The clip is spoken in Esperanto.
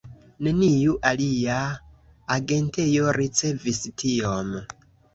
Neniu alia agentejo ricevis tiom.